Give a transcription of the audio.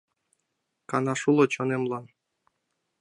Канаш уло чонемлан?